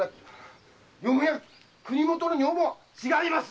よもや国元の女房が⁉違います！